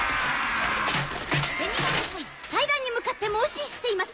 銭形隊祭壇に向かって猛進しています！